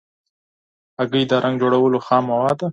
هګۍ د رنګ جوړولو خام مواد ده.